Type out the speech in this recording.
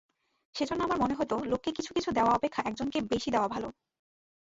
সেজন্য আমার মনে হইত, লোককে কিছু কিছু দেওয়া অপেক্ষা একজনকে বেশী দেওয়া ভাল।